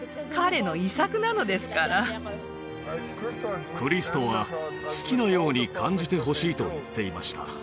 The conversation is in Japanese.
彼の遺作なのですからクリストは好きなように感じてほしいと言っていました